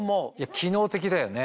機能的だよね。